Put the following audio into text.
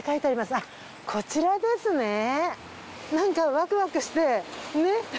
あっこちらですねなんかワクワクしてねっ。